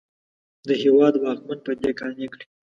د هېواد واکمن په دې قانع کړي.